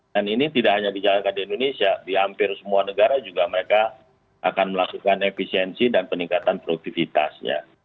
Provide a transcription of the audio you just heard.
dan ini tidak hanya dijalankan di indonesia di hampir semua negara juga mereka akan melakukan efisiensi dan peningkatan produktivitasnya